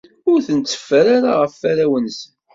Ur t-ntteffer ara ɣef warraw-nsen.